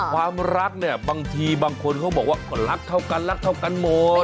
ความรักเนี่ยบางทีบางคนเขาบอกว่าก็รักเท่ากันรักเท่ากันหมด